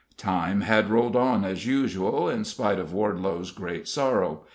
Time had rolled on as usual, in spite of Wardelow's great sorrow.